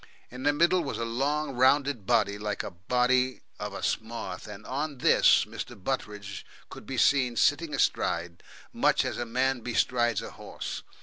In the middle was a long rounded body like the body of a moth, and on this Mr. Butteridge could be seen sitting astride, much as a man bestrides a horse.